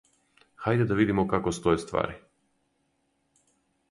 Хајде да видимо како стоје ствари.